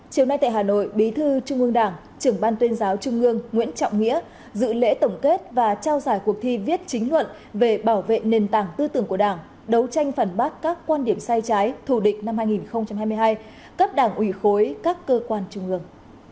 chiều nay tại hà nội bí thư trung ương đảng trưởng ban tuyên giáo trung ương nguyễn trọng nghĩa dự lễ tổng kết và trao giải cuộc thi viết chính luận về bảo vệ nền tảng tư tưởng của đảng đấu tranh phản bác các quan điểm sai trái thù địch năm hai nghìn hai mươi hai cấp đảng ủy khối các cơ quan trung ương